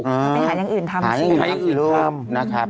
ไปหาอย่างอื่นทำชีวิตนะครับ